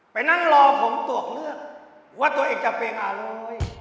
ไปนั่งรอผมตรวจเลือดว่าตัวเองจะเป็นอะไร